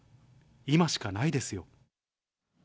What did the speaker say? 今しかないですよ。